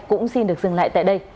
cũng xin được dừng lại tại đây